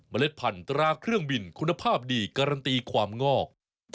เล็ดพันธราเครื่องบินคุณภาพดีการันตีความงอก